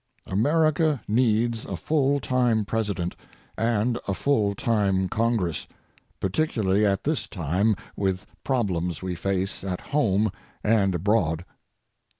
America needs a full time President and a full time Congress, particularly at this time with problems we face at home and abroad.